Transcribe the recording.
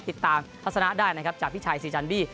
ติดตามลักษณะได้นะครับจากพี่ชายสีจันบี้